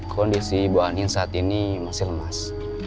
kondisi bu ani saat ini masih lemas